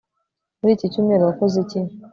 Muri iki cyumweru wakoze iki